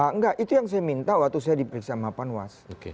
enggak itu yang saya minta waktu saya diperiksa mapanwas